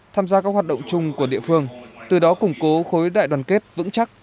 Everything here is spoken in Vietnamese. tham gia các hoạt động chung của địa phương từ đó củng cố khối đại đoàn kết vững chắc